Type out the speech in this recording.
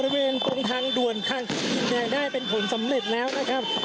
มันได้เป็นผลสำเร็จแล้วนะครับ